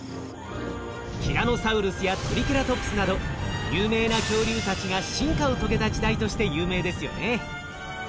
ティラノサウルスやトリケラトプスなど有名な恐竜たちが進化を遂げた時代として有名ですよね。